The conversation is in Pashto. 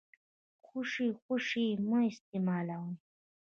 خوشې خوشې يې مه استيمالوئ.